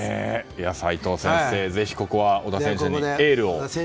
齋藤先生、ぜひここは織田選手にエールを。